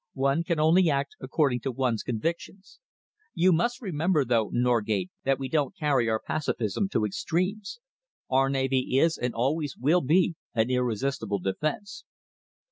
"One can only act according to one's convictions. You must remember, though, Norgate, that we don't carry our pacificism to extremes. Our navy is and always will be an irresistible defence."